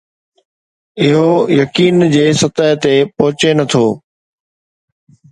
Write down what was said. اهو يقين جي سطح تي پهچي نه ٿو